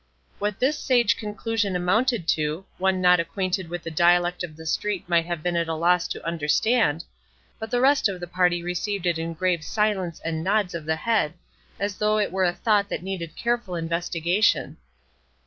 What this sage conclusion amounted to, one not acquainted with the dialect of the street might have been at a loss to understand, but the rest of the party received it in grave silence and nods of the head, as though it were a thought that needed careful investigation.